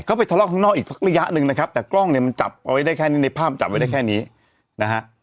ก็ไปทะเลาะข้างนอกอีกสักระยะหนึ่งนะครับแต่กล้องเนี่ยมันจับเอาไว้ได้แค่นี้ในภาพจับไว้ได้แค่นี้นะฮะ